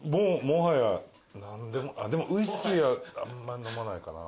でもウイスキーはあんま飲まないかな。